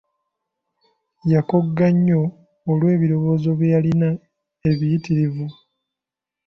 Yakogga nnyo olw'ebirowoozo bye yalina ebiyitirivu.